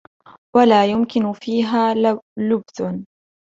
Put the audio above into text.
وَلَا يُمْكِنُ فِيهَا لُبْثٌ